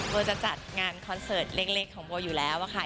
โบจะจัดงานคอนเสิร์ตเล็กของโบอยู่แล้วค่ะ